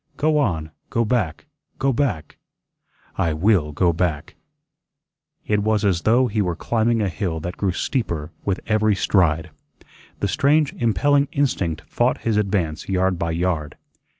"Go on, go back, go back. I WILL go back." It was as though he were climbing a hill that grew steeper with every stride. The strange impelling instinct fought his advance yard by yard.